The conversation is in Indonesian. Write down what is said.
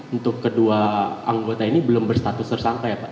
untuk kedua anggota ini belum berstatus tersangka ya pak